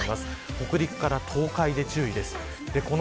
北陸から東海で注意です。